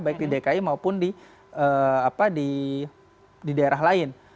baik di dki maupun di daerah lain